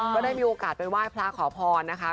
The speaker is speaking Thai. ก็ได้มีโอกาสไปไหว้พระขอพรนะคะ